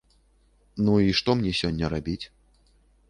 Ну, і што мне сёння рабіць?